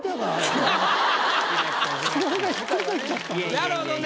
なるほどね。